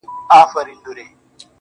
ځاى جوړاوه.